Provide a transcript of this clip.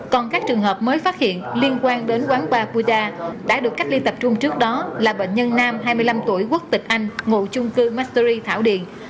còn các trường hợp mới phát hiện liên quan đến quán ba puda đã được cách ly tập trung trước đó là bệnh nhân nam hai mươi năm tuổi quốc tịch anh ngụ trung cư mastery thảo điện